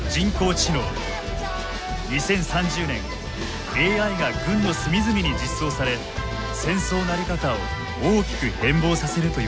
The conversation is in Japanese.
２０３０年ＡＩが軍の隅々に実装され戦争のあり方を大きく変貌させるといわれています。